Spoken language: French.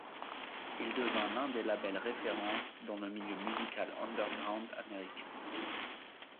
Il devint l'un des labels références dans le milieu musical underground américain.